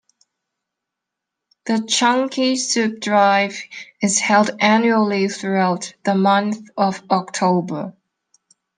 The Chunky Soup Drive is held annually throughout the month of October.